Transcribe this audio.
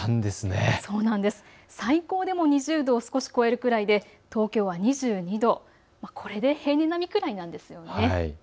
最高でも２０度を少し超えるくらいで東京は２２度、これで平年並みくらいなんです。